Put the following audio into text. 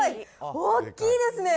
大きいですね！